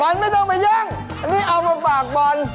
มันไม่ต้องมายั่งอันนี้เอามาฝากบอล